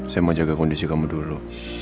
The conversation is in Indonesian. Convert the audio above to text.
saya mau jaga kondisi kamu dulu